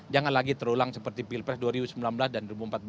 jangan lagi terulang seperti pilpres dua ribu sembilan belas dan dua ribu empat belas